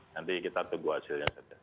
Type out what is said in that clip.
nanti kita tunggu hasilnya